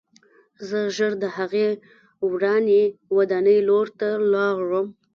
زه ژر د هغې ورانې ودانۍ لور ته لاړم